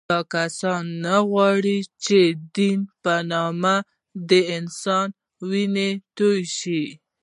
دا کسان نه غواړي چې د دین په نامه د انسان وینه تویه شي